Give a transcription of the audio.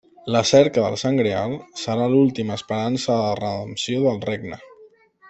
La cerca del Sant Greal serà l'última esperança de redempció del regne.